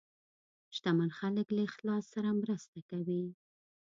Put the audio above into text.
شتمن خلک له اخلاص سره مرسته کوي.